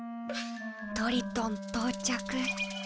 トリトン到着。